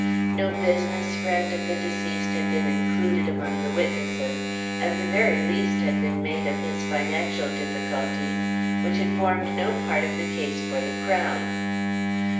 No business friend of the deceased had been included among the witnesses, and the very least had been made of his financial difficulties, which had formed no part of the case for the Crown.